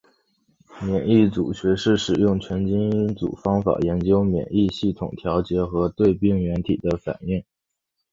免疫组学是使用全基因组方法研究免疫系统调节和对病原体的反应。